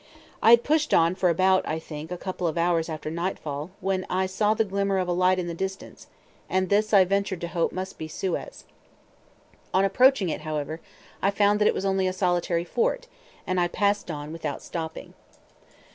I had pushed on for about, I think, a couple of hours after nightfall when I saw the glimmer of a light in the distance, and this I ventured to hope must be Suez. Upon approaching it, however, I found that it was only a solitary fort, and I passed on without stopping.